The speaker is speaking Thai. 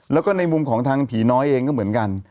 แล้วก็ในมุมของทางผีน้อยเองก็เหมือนกัน